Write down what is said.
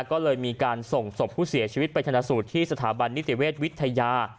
ก็เลยมีการส่งศพผู้เสียชีวิตไปธนสูตรที่สถาบันนิติเวชวิทยา